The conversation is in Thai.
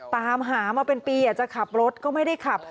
ตามหามาเป็นปีจะขับรถก็ไม่ได้ขับ